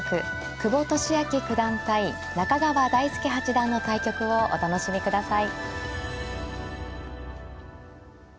久保利明九段対中川大輔八段の対局をお楽しみください。